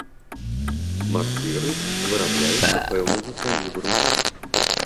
Марціры вырабляюцца пэўнага калібру.